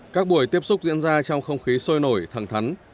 các buổi tiếp xúc diễn ra trong không khí sôi nổi thẳng thắn